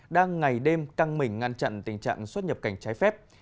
đang ngày đêm căng mình ngăn chặn tình trạng xuất nhập cảnh trái phép